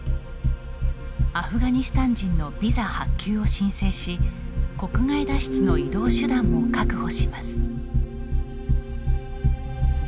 アフガニスタン人のビザ発給を申請し国外脱出の移動手段も確保します。